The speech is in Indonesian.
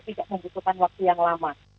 tidak membutuhkan waktu yang lama